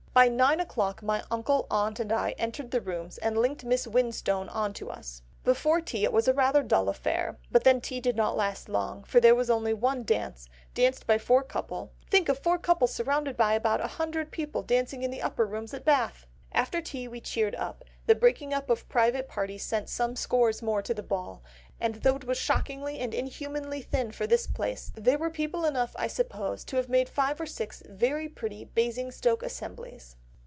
By nine o'clock my uncle, aunt, and I entered the Rooms, and linked Miss Winstone on to us. Before tea it was rather a dull affair; but then tea did not last long, for there was only one dance, danced by four couple, think of four couple surrounded by about an hundred people dancing in the Upper Rooms at Bath! After tea we cheered up; the breaking up of private parties sent some scores more to the ball, and though it was shockingly and inhumanly thin for this place, there were people enough, I suppose, to have made five or six very pretty Basingstoke assemblies."